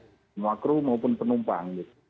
semua crew maupun penumpang